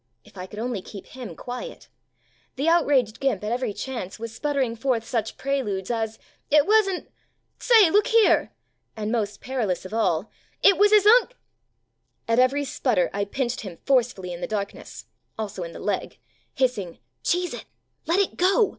If I could only keep him quiet ! The outraged "Gimp," at every chance, was sput tering forth such preludes as "It wasn't " "Say, look here " and, most perilous of all, "It was his Unc' " At every sputter I pinched him forcefully in the darkness вҖ" also in the leg вҖ" hissing, "Cheese it!" "Let it go!"